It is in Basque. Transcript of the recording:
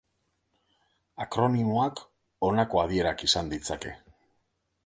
Akronimoak honako adierak izan ditzake.